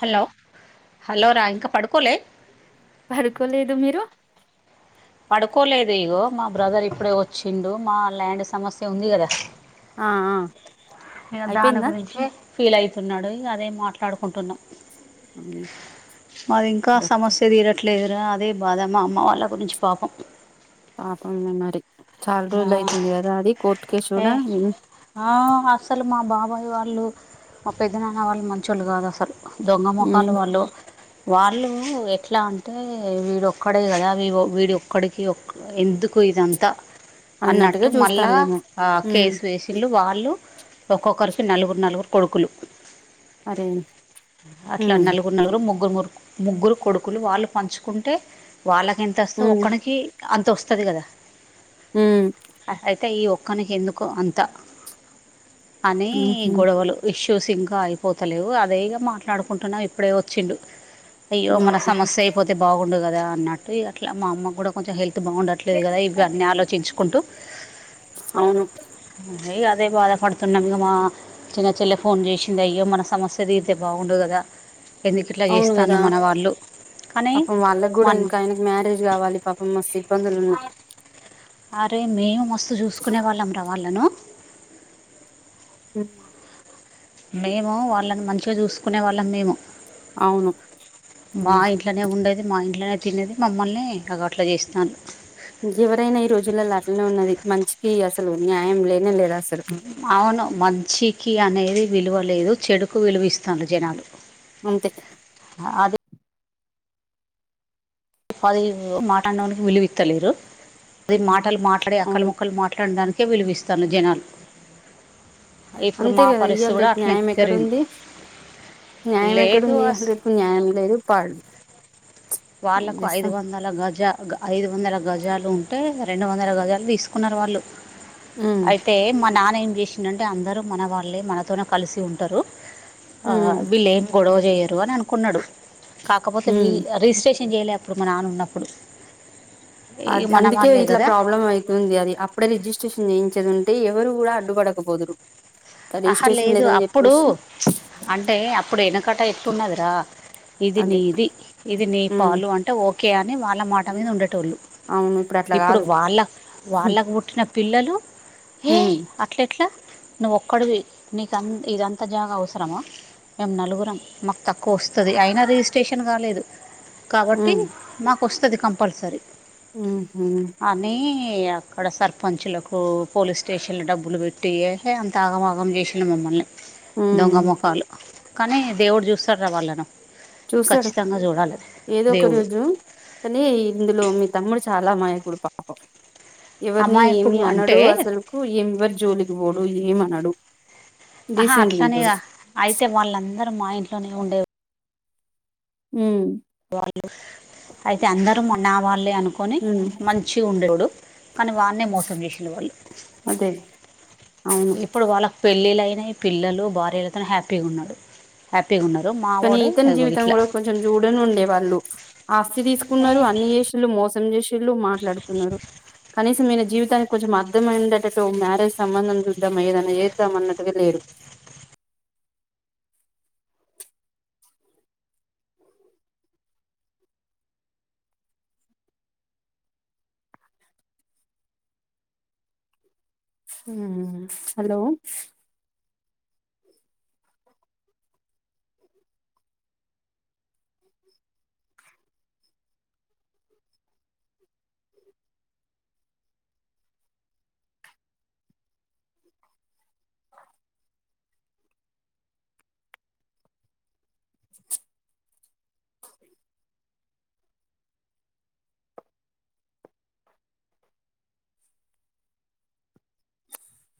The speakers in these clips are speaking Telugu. హలో హలో రా ఇంకా పడుకోలేదా పడుకోలేదు మీరు పడుకోలేదు ఇగో మా బ్రదర్ ఇప్పుడే వచ్చిండు మా ల్యాండ్ సమస్య ఉంది కదా ఆ ఆ ఇక దాని అయిపోయిందా గురించి ఫీల్ అయితున్నాడు ఇక అదే మాట్లాడుకుంటున్నాం అవునా అది ఇంకా ఇదొకటే సమస్య తీరలేదు లేదు రా అదే బాధ మా అమ్మ వాళ్ళ గురించి పాపం పాపమే మరి చాలా రోజులు ఆ అయితుంది కదా అది కోర్టు వేసు ఏ కూడా ఆ అసలు మా బాబాయ్ వాళ్ళు మా పెద్ద నాన్న వాళ్ళు మంచోళ్ళు కాదు అసలు దొంగ మొఖాలు ఉమ్, వాళ్ళు వాళ్ళు ఎట్లా అంటే వీడొక్కడే కదా వీడి ఒక్కడికి ఎందుకు ఇదంతా అన్నట్టుగా చూస్తాలేమని ఆ కేసు వేసిళ్ళు వాళ్ళు ఒక్కొక్కరికి నలుగురు నలుగురు కొడుకులు అరే అట్ల ఉమ్ నలుగురు నలుగురు ముగ్గురు ముగ్గురు కొడుకులు వాళ్ళు పంచుకుంటే వాళ్ళకి ఎంత వస్తే ఉమ్ ఒక్కరికి అంత వస్తది కదా ఉమ్ అయితే ఈ ఒ ఒక్కనికి ఎందుకు అంత అని ఉహు గొడవలు ఇష్యూస్ ఇంకా అయిపోతలేవు అదే మాట్లాడుకుంటున్నా ఇప్పుడే వచ్చిండు అయ్యో మన ఉమ్ సమస్య అయిపోతే బాగుండు కదా అన్నట్టు అట్లా మా అమ్మ కూడా కొంచెం హెల్త్ బాగుండలేదు పట్లేదు కదా ఇగా అన్నీ ఆలోచించుకుంటూ అవును యి అదే బాధ పడుతున్నాము మా చిన్నచెల్లి ఫోన్ చేసింది అయ్యో మన సమస్య తీరితే బాగుండు కదా ఎందుకు ఇట్లా అవును కదా చేస్తాన్రు మన వాళ్ళు కానీ పాపం వాళ్ళకి కూడా మన ఇంకా ఆయనకు మ్యారేజ్ కావాలి పాపం మస్త్ ఇబ్బందులో ఉన్నాము అరే మేము మస్తు చూసుకునే వాళ్ళం రా వాళ్ళను హమ్ మేము వాళ్ళని మంచిగా చూసుకునే వాళ్ళం మేము అవును ఉమ్. బాయ్ ఇంట్లనే ఉండేది మా ఇంట్లోనే తినేది మమ్మల్నే ఇగ గట్ల చేస్తాన్రు ఎవరైనా ఈ రోజుల అట్నే ఉన్నది మంచికి అసలు న్యాయం లేనే లేదు అసలు అవును మంచికి అనేది విలువలేదు చెడుకు విలువ ఈస్తాంది జనాలు అంతే అదే అది మాట అన్నోలకి విలువిత్తలేరు అది మాటలు మాట్లాడి అవును అక్కలు మొక్కలు మాట్లాడడానికి కే విలువిస్తారూలే జనాలు ఇప్పుడు అంతే మా కదా పరిస్థితి ఇయ్యాలి కూడా రేపు అట్లనే న్యాయం జరిగింది ఎక్కడుండి న్యాయం ఎక్కడ లేదు ఉంది అస్ అసలు రేపు న్యాయం లేదు పాడు లేదు వాళ్లకు ఐదువందల గజ గ ఐదువందల గజాలు ఉంటే రెండువందల గజాలు దీస్కున్నారు వాళ్ళు ఉమ్ ఐతే మ నాన్నేం జేసిండంటె అందరు మన వాళ్ళే మనతోనే కలిసి ఉంటరు ఆ ఉమ్ విళ్ళేం గొడవ జెయ్యరు అనన్కున్నడు కాకపోతే ఉమ్ వీళ్ళ్ అ రిజిస్ట్రేషన్ జెయ్లా అప్పుడు మ నానున్నప్పుడు అద్ అందుకే ఇట్ల కదా ప్రాబ్లమై ఉంది అది అప్పుడె రిజిస్ట్రేషన్ జేయించేదుంటె ఎవరు గుడా అడ్డుపడకపోదురు అహ రిజిస్ట్రేషన్ లేదు లేదని అప్పుడూ చెప్పేసి ప్చ్ అంటే అప్పుడెనకట ఎట్టున్నదిరా ఇది అదే నీది ఇది నీ ఉమ్ పాలు అంటె ఓకే అని వాళ్ళ మాటమీదుండేటోళ్ళు అవును అట్లా ఇప్పుడు కాదు వాళ్ళ వాళ్ళక్ పుట్టిన పిల్లలు హే ఉమ్ అట్లెట్ల నువ్ కడువి నీకంత్ ఇదంత జాగవ్సరమ మేం నలుగురం మాక్ తక్కువొస్తది ఐనా రిజిస్ట్రేషన్ గాలేదు కాబట్టి ఉమ్ మాకొస్తది కంపల్సరి ఊహు అనీ అక్కడ సర్పంచులకూ పోలీస్టేషన్ డబ్బులు బెట్టి ఎహే అన్ తాగమాగం జేషిండు మమ్మల్ని ఉమ్. దొంగ మొఖాలు కానీ దేవుడ్ జూస్తాడ్ర వాళ్ళను చూస్తాడు ఖచ్చితంగా చూడాలి ఏదో దేవుడు ఒకరోజు కనీ ఇందులొ మి తమ్ముడు చాలా అమాయకుడు పాపం ఎవర్ని అమాయకుడు ఏమీ అంటే అనడు అసల్కు ఏవ్వర్ జోలికి పోడు ఏమనడు అహా డీసెంట్గా అట్లని ఉంటాడు గా ఐతే వాళ్ళందర్ మా ఇంట్లోనే ఉండె ఊమ్ వాళ్ళు ఐతె అందరు మనా వాళ్ళే అన్కొని ఉమ్ మన్ షి గుండోడు కని వాన్నే మోసం జేషిండు వాళ్ళు అదే అవును ఇప్పుడు వాళ్ళ పెళ్ళిలైనయ్ పిల్లలు భార్యలతొనె హ్యాపీగున్నడు హ్యాపీగున్నరు మా వాడో ఇగో ఇట్ల జన్జూడనుండె వాళ్ళు ఆస్తి దీస్కున్నారు అన్ని జేష్ ఇల్లు మోసం జేషిళ్ళు మాట్లాడ్కున్నరు కనీసమీయన జీవితాన్కి కొంచెం అర్థమయ్యుండేటట్టు మ్యారేజ్ సంబంధం జూద్దాం ఏదన్న జేద్దామన్నట్టుగ లేరు ఊమ్ హలో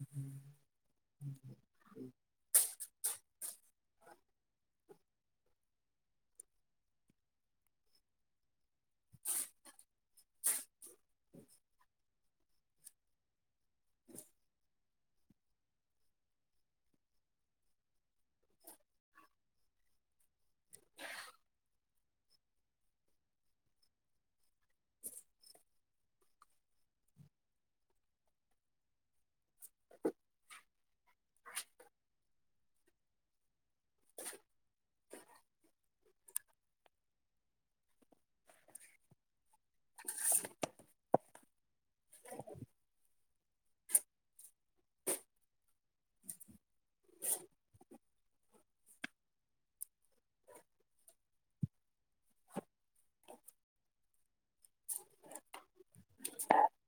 ఊమ్ ఊమ్ ఏ